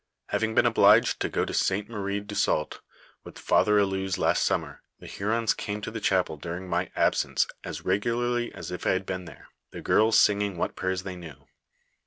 " Having been obliged to go to St. Marie dn Sault with Father AUouez last summer, the Hurons came to the chapel during my absence as regularly as if I had been there, the girls singing what prayers they knew.